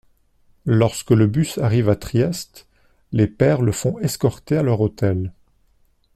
Lorsque le bus arrive à Trieste, les pères le font escorter à leur hôtel.